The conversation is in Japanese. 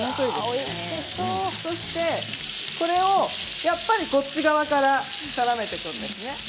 これをやっぱりこっち側からからめていくんですね。